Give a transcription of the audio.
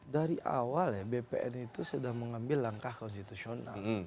dari awal ya bpn itu sudah mengambil langkah konstitusional